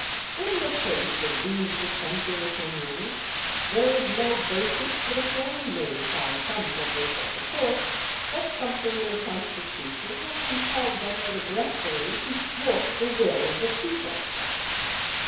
In the face of these dissenting opinions, there is no basis for the claim made by some members of the Court that something in the Constitution has compelled them regretfully to thwart the will of the people.